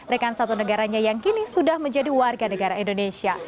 rekan satu negaranya yang kini sudah menjadi warga negara indonesia